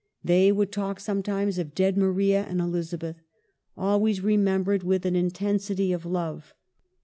They would talk sometimes of dead Maria and Elizabeth, always remembered with an intensity of love.